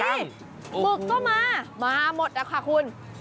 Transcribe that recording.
กังมึกก็มามาหมดแล้วค่ะคุณ